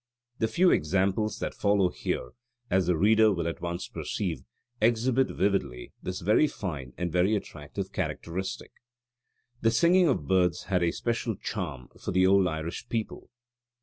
The few examples that follow here, as the reader will at once perceive, exhibit vividly this very fine and very attractive characteristic. The singing of birds had a special charm for the old Irish people.